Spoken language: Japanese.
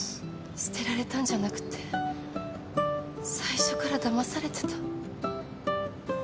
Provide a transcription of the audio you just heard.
捨てられたんじゃなくて最初からだまされてた。